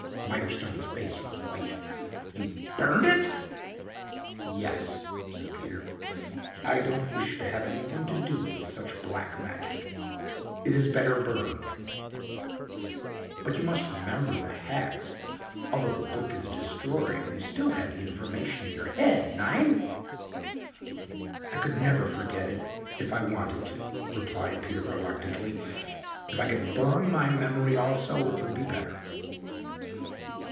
Mirestone's face went white. "You burned it?" "Yes," said Peter. "I don't wish to have anything to do with such black magic. It is better burned." "But you must remember the hex. Although the book is destroyed you still have the information in your head, nein?" "I could never forget it if I wanted to," replied Peter reluctantly. "If I could burn my memory also it would be better."